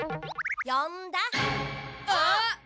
呼んだ？あっ！